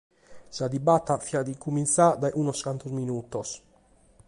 Sa dibata fiat cumintzada dae unos cantos minutos.